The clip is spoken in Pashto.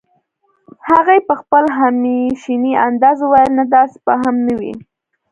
هغې په خپل همېشني انداز وويل نه داسې به هم نه وي